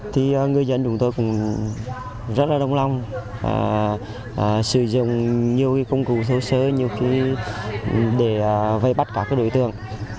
thì người dân chúng tôi cũng rất là đồng lòng sử dụng nhiều công cụ thô sơ để vây bắt các đối tượng